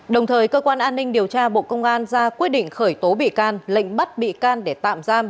đồng thời cơ quan an ninh điều tra bộ công an ra quyết định khởi tố bị can lệnh bắt bị can để tạm giam